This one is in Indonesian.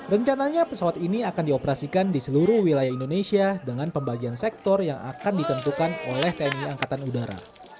rencananya pesawat ini akan dioperasikan di seluruh wilayah indonesia dengan pembagian sektor yang akan ditentukan oleh tni angkatan udara